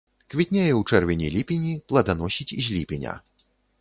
Квітнее ў чэрвені-ліпені, пладаносіць з ліпеня.